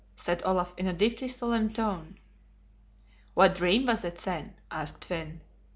said Olaf, in a deeply solemn tone. "What dream was it, then?" asked Finn.